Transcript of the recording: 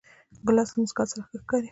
ګیلاس له موسکا سره ښه ښکاري.